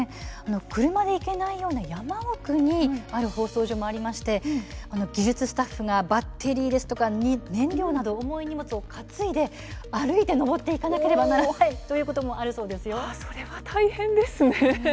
車で行けないような山奥にある放送所もあって技術スタッフがバッテリーや燃料などの重い荷物を担いで歩いて登っていかなければそれは大変ですね。